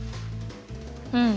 うん。